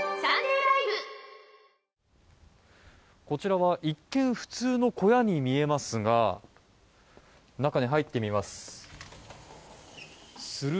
こちらは一見、普通の小屋に見えますが中に入ってみます。